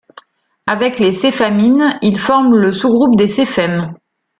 Avec les céphamycines, ils forment le sous-groupe des céphems.